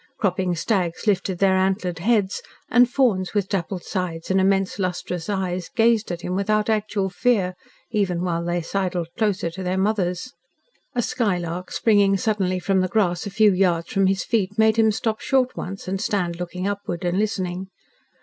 Cropping stags lifted their antlered heads, and fawns with dappled sides and immense lustrous eyes gazed at him without actual fear, even while they sidled closer to their mothers. A skylark springing suddenly from the grass a few yards from his feet made him stop short once and stand looking upward and listening.